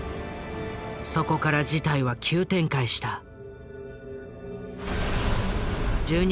そこから事態は急展開した。